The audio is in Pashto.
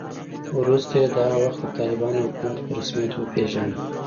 وروسته یې د هغه وخت د طالبانو حکومت په رسمیت وپېژاند